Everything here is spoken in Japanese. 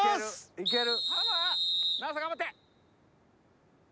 いける！